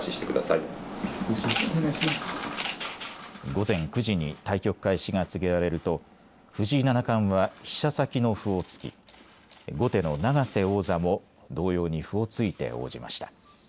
午前９時に対局開始が告げられると藤井七冠は飛車先の歩を突き、後手の永瀬王座も同様に歩を突いて応じました。